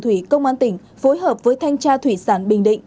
thủy công an tỉnh phối hợp với thanh tra thủy sản bình định